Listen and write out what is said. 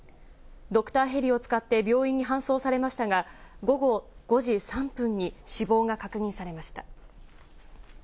ドクターヘリを使って病院に搬送されましたが、午後５時３分に死亡が確認されました。